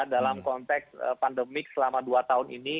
dalam konteks pandemik selama dua tahun ini